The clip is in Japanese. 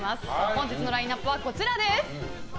本日のラインアップはこちらです。